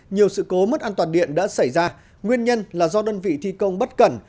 nhiều sự cố mất an toàn điện đã xảy ra nguyên nhân là do đơn vị thi công bất cẩn